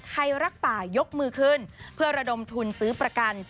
ใครรักป่ายกมือขึ้นเพื่อระดมทุนซื้อประกัน